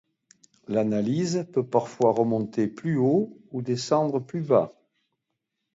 L’analyse peut parfois remonter plus haut ou descendre plus bas.